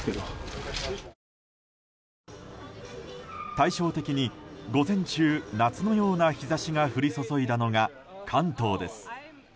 対照的に午前中、夏のような日差しが降り注いだのが関東です。